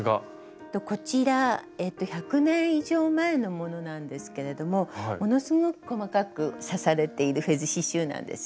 こちら１００年以上前のものなんですけれどもものすごく細かく刺されているフェズ刺しゅうなんですね。